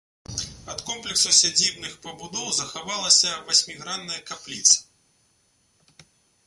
Ад комплексу сядзібных пабудоў захавалася васьмігранная капліца.